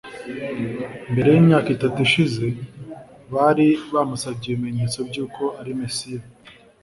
Mbere y'imyaka itatu ishize, bari bamusabye ibimenyetso by'uko ari Mesiya.